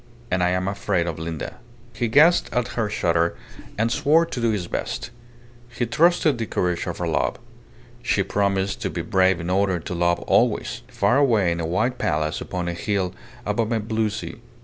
And I am afraid of Linda." He guessed at her shudder, and swore to do his best. He trusted the courage of her love. She promised to be brave in order to be loved always far away in a white palace upon a hill above a blue sea.